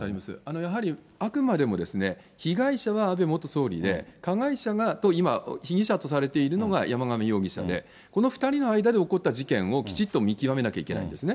やはりあくまでも、被害者は安倍元総理で、加害者が、今、被疑者とされているのが山上容疑者で、この２人の間で起こった事件をきちっと見極めなきゃいけないんですね。